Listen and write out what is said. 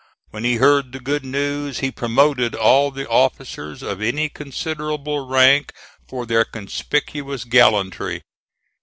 When he heard the good news he promoted all the officers of any considerable rank for their conspicuous gallantry.